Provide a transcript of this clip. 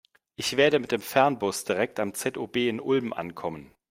Ich werde mit dem Fernbus direkt am ZOB in Ulm ankommen.